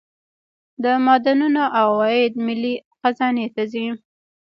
د معدنونو عواید ملي خزانې ته ځي